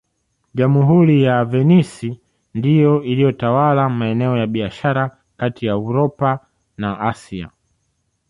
Jamhuri ya Venisi ndiyo iliyotawala maeneo ya biashara kati ya Uropa na Asia